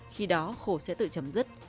khi đó khổ sẽ tự chấm dứt